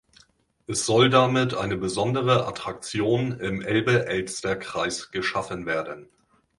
Es soll damit eine besondere Attraktion im Elbe-Elster-Kreis geschaffen werden.